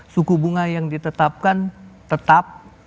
suku bunga yang ditetapkan tetap